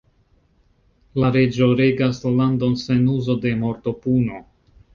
La reĝo regas la landon sen uzo de mortopuno.